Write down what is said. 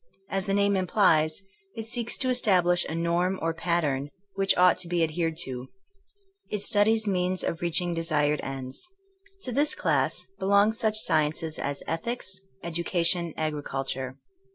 As the name implies, it seeks to establish a norm or pattern which ought to be adhered to. It studies means of reaching desired ends. To this class belong such sciences as ethics, educa tion, agriculture.